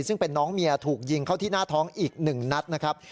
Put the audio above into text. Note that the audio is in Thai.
ซึ่งเป็นน้องเมียถูกยิงเข้าที่หน้าท้องอีก๑นัดนะครับ